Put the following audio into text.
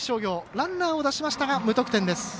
ランナーを出しましたが無得点です。